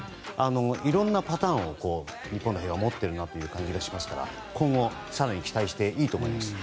いろんなパターンを日本は持っているなという気がしますから今後、更に期待していいと思います。